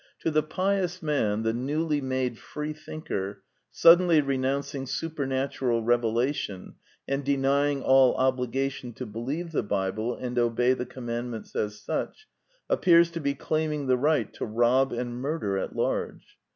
To the pious man the newly made freethinker, suddenly renouncing supernatural revelation, and den3ang all obliga tion to believe the Bible and obey the command ments as such, appears to be claiming the right to rob and murder at large.